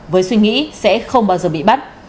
với suy nghĩ sẽ không bao giờ bị bắt